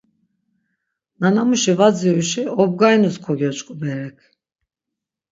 Nanamuşi var dziruşi obgarinus kogyoç̌ǩu berek.